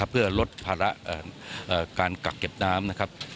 เพื่อลดภาระการกักเก็บน้ำ